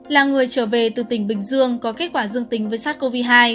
là người trở về từ tỉnh bình dương có kết quả dương tính với sars cov hai